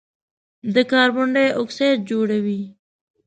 د کاربن ډای اکسایډ جوړوي.